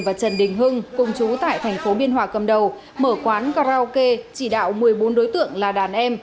và trần đình hưng công chú tại tp biên hòa cầm đầu mở quán karaoke chỉ đạo một mươi bốn đối tượng là đàn em